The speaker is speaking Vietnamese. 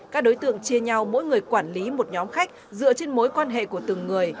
các đối tượng chia nhau mỗi người quản lý một nhóm khách dựa trên mối quan hệ của từng người